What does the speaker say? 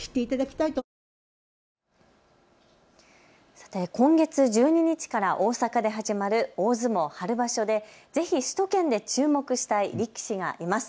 さて今月１２日から大阪で始まる大相撲春場所でぜひ首都圏で注目したい力士がいます。